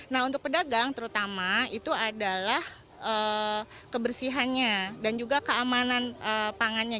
nah untuk pedagang terutama itu adalah kebersihannya dan juga keamanan pangannya